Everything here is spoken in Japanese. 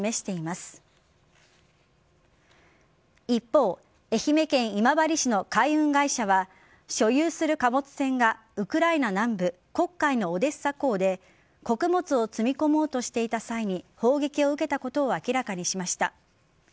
一方、愛媛県今治市の海運会社は所有する貨物船がウクライナ南部黒海のオデッサ港で穀物を積み込もうとしていた際に砲撃を受けたことを明らかにしました。